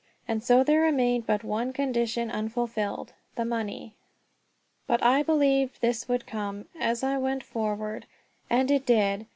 And so there remained but one condition unfulfilled the money. But I believed this would come as I went forward; and it did.